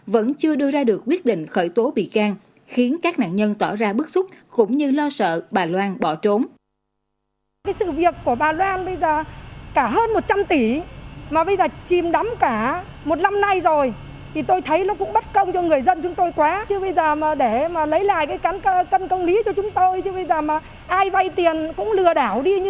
vẫn chưa đưa ra được quyết định khởi tố bị can khiến các nạn nhân tỏ ra bức xúc cũng như lo sợ bà loan bỏ trốn